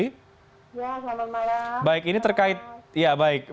ya selamat malam